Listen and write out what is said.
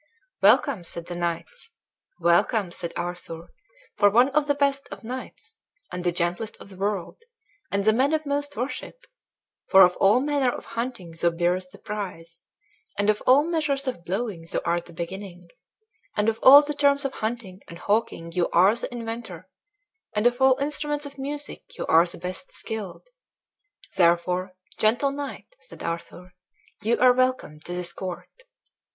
"Welcome," said the knights. "Welcome," said Arthur, "for one of the best of knights, and the gentlest of the world, and the man of most worship; for of all manner of hunting thou bearest the prize, and of all measures of blowing thou art the beginning, and of all the terms of hunting and hawking ye are the inventor, and of all instruments of music ye are the best skilled; therefore, gentle knight," said Arthur, "ye are welcome to this court."